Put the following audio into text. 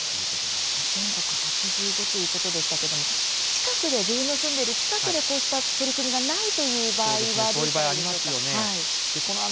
全国８５ということでしたけれども自分の住んでいる近くでこうした取り組みがないという場合はどうしたらいいでしょうか。